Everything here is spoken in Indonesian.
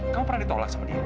kamu pernah ditolak sama dia